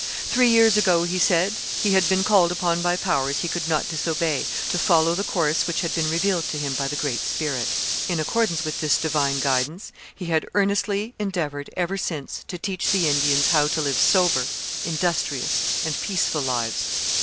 Three years ago, he said, he had been called upon by powers he could not disobey to follow the course which had been revealed to him by the Great Spirit. In accordance with this divine guidance he had earnestly endeavoured ever since to teach the Indians how to live sober, industrious, and peaceful lives.